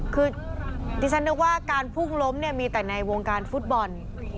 คือดิฉันนึกว่าการพุ่งล้มเนี่ยมีแต่ในวงการฟุตบอล